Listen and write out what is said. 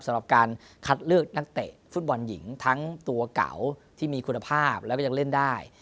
สำหรับการคัดเลือกนักเตะฟุตบอลหญิงทั้งตัวเก่าที่มีคุณภาพแล้วก็ยังเล่นได้